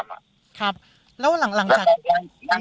ครับแล้วหลังจาก